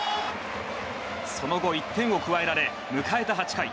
その後、１点を加えられ迎えた８回。